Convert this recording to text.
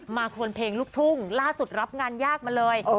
คนเพลงลูกทุ่งล่าสุดรับงานยากมาเลย